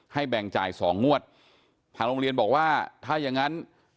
แบ่งจ่ายสองงวดทางโรงเรียนบอกว่าถ้าอย่างงั้น